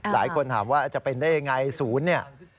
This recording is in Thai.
หลายคนถามว่าจะเป็นได้ยังไงศูนย์เนี่ย